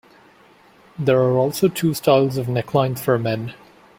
There are also two styles of necklines for men.